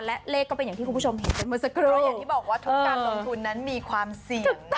และเลขก็เป็นอย่างที่คุณผู้ชมเห็นกันเมื่อสักครู่อย่างที่บอกว่าทุกการลงทุนนั้นมีความเสี่ยง